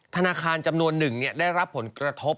ธนาคารจำนวนหนึ่งได้รับผลกระทบ